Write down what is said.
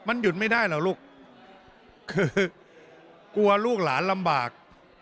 มันหยุดไม่ได้เหรอลูกคือกลัวลูกหลานลำบาก